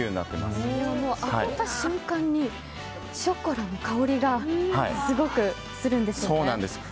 開けた瞬間にショコラの香りがすごくするんですよね。